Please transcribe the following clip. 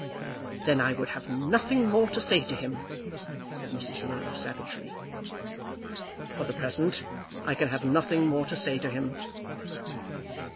"Then I would have nothing more to say to him," said Mrs. Low, savagely. "For the present I can have nothing more to say to him."